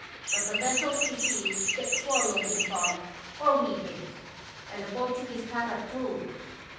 " But the vessels we see gets swallowed in fog or we did. And the Portuguese carrack, too